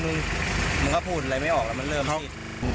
มันก็พูดอะไรไม่ออกแล้วมันเริ่มที่